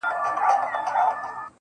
جنگ دی سوله نه اكثر.